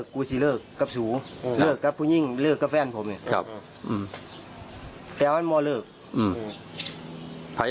กำลังเลือกกับของขันเรา